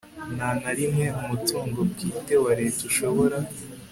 nta na rimwe umutungo bwite wa leta ushobora